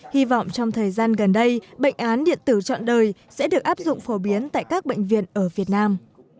hy vọng trong thời gian gần đây bệnh án điện tử chọn đời sẽ được áp dụng phổ biến tại các bệnh viện ở việt nam